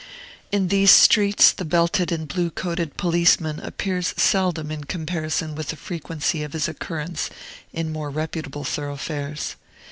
In these streets the belted and blue coated policeman appears seldom in comparison with the frequency of his occurrence in more reputable thoroughfares.